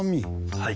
はい。